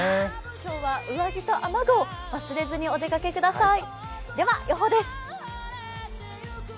今日は上着と雨具を忘れずにお出かけください。